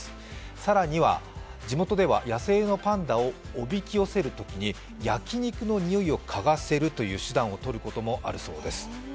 更には地元では野生のパンダをおびき寄せるときに焼き肉の匂いを嗅がせるという手段を取ることもあるようです。